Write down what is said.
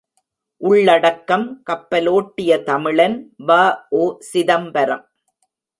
உள்ளடக்கம் கப்பலோட்டிய தமிழன் வ.உ.சிதம்பரம்